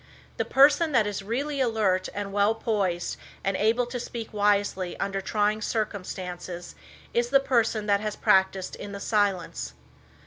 The person that is really alert and well poised and able to speak wisely under trying circumstances, is the person that has practiced in the silence.